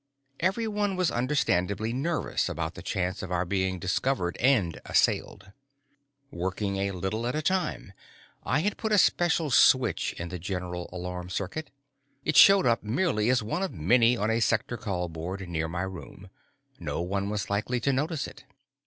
Everyone was understandably nervous about the chance of our being discovered and assailed. Working a little at a time, I had put a special switch in the general alarm circuit. It showed up merely as one of many on a sector call board near my room; no one was likely to notice it.